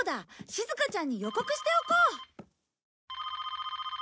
しずかちゃんに予告しておこう。